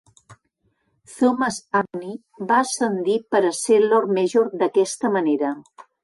Thomas Abney va ascendir per a ser Lord Major d'aquesta manera.